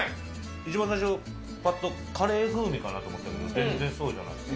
一番最初、ぱっとカレー風味かなと思ったけど、全然そうじゃなくて。